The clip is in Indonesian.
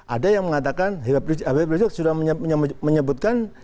ada yang mengatakan habib rizik sudah menyebutkan